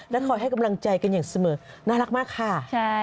คอยให้กำลังใจกันอย่างเสมอน่ารักมากค่ะ